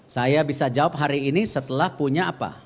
saya bisa jawab hari ini setelah punya apa